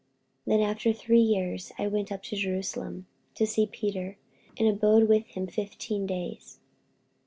48:001:018 Then after three years I went up to Jerusalem to see Peter, and abode with him fifteen days.